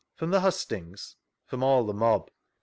From the hustings ?— From all the mob.